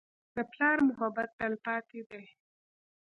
د پلار محبت تلپاتې دی.